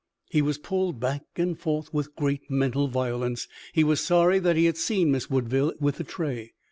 He was pulled back and forth with great mental violence. He was sorry that he had seen Miss Woodville with the tray.